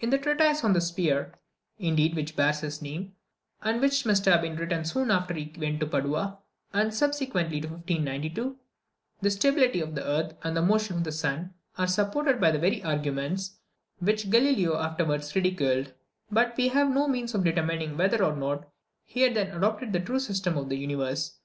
In the treatise on the sphere, indeed, which bears his name, and which must have been written soon after he went to Padua, and subsequently to 1592, the stability of the earth, and the motion of the sun, are supported by the very arguments which Galileo afterwards ridiculed; but we have no means of determining whether or not he had then adopted the true system of the universe.